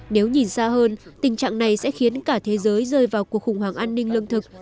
nếu nhìn xa hơn tình trạng này sẽ khiến cả thế giới rơi vào cuộc khủng hoảng an ninh lương thực